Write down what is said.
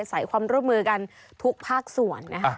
ใส่ความร่วมมือกันทุกภาคส่วนนะคะ